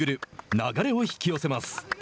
流れを引き寄せます。